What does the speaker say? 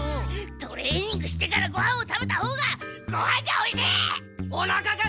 トレーニングしてからごはんを食べたほうがごはんがおいしい！